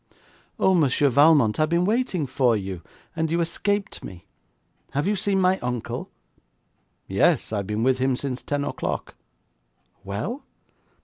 'Oh, Monsieur Valmont, I have been waiting for you, and you escaped me. Have you seen my uncle?' 'Yes, I have been with him since ten o'clock.' 'Well?'